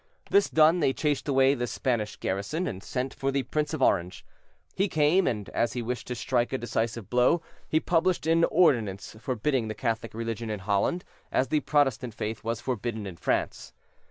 This done, they chased away the Spanish garrison, and sent for the Prince of Orange. He came; and as he wished to strike a decisive blow, he published an ordonnance forbidding the Catholic religion in Holland, as the Protestant faith was forbidden in France.